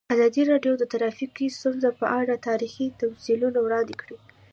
ازادي راډیو د ټرافیکي ستونزې په اړه تاریخي تمثیلونه وړاندې کړي.